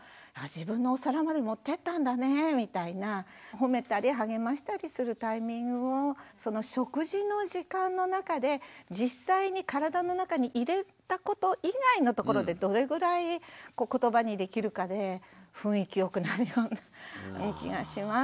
ほめたり励ましたりするタイミングをその食事の時間の中で実際に体の中に入れたこと以外のところでどれぐらい言葉にできるかで雰囲気よくなるような気がします。